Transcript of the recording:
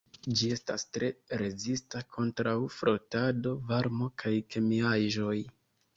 Ĝi estas tre rezista kontraŭ frotado, varmo kaj kemiaĵoj.